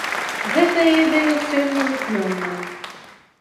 Гэтая ідэя сёння не плённая.